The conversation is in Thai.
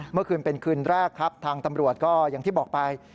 เมื่อคืนเป็นคืนแรกครับทางตำรวจก็อย่างที่บอกไป